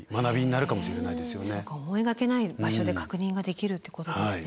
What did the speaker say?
思いがけない場所で確認ができるということですね。